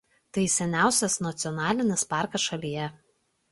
Tai seniausias nacionalinis parkas šalyje.